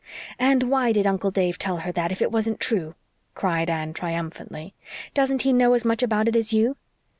"And why did Uncle Dave tell her that, if it wasn't true?" cried Anne, triumphantly. "Doesn't he know as much about it as you?"